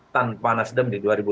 tanpa nasdem di dua ribu dua puluh